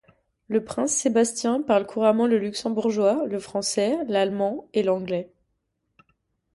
Le prince Sébastien parle couramment le luxembourgeois, le français, l'allemand et l'anglais.